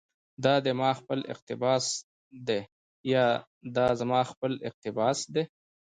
دا دي ما خپل اقتباس ده، يا دا زما خپل اقتباس دى